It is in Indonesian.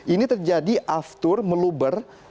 ini terjadi after meluber